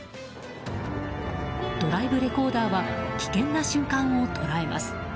ドライブレコーダーは危険な瞬間を捉えます。